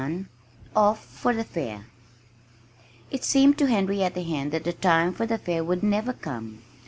XXI OFF FOR THE FAIR It seemed to Henrietta Hen that the time for the fair would never come.